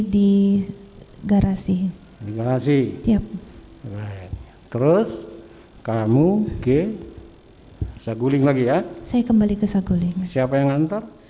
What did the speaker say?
di garasi garasi siap terus kamu g sebulin lagi ya saya kembali ke sakuling siapa yang nantar